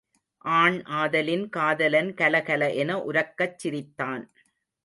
ஆண் ஆதலின் காதலன் கல கல என உரக்கச் சிரித்தான்.